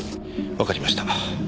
わかりました。